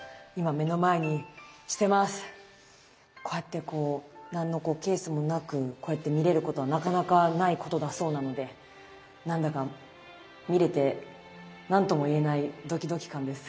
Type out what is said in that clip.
こうやってこう何のケースもなくこうやって見れることはなかなかないことだそうなのでなんだか見れて何とも言えないドキドキ感です。